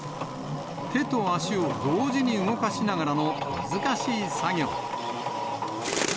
手と足を同時に動かしながらの難しい作業。